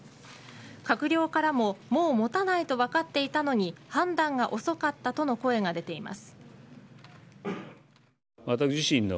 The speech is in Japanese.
閣僚からももうもたないと分かっていたのに判断が遅かったとの声が出ています。